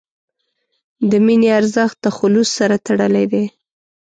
د مینې ارزښت د خلوص سره تړلی دی.